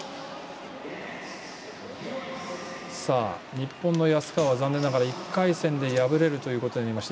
日本の安川は残念ながら１回戦で敗れるということになりました。